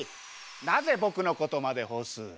「なぜ僕のことまでほす」